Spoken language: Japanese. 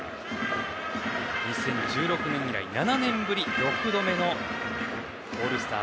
２０１６年以来７年ぶり６度目のオールスター。